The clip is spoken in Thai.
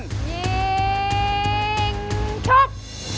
ยิงชุด